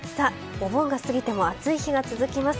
お盆が過ぎても暑い日が続きます。